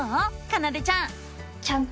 かなでちゃん。